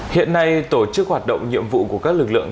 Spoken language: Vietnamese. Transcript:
hiện nay tổ chức hoạt động nhiệm vụ của các lực lượng